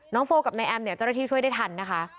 โฟกับนายแอมเนี่ยเจ้าหน้าที่ช่วยได้ทันนะคะ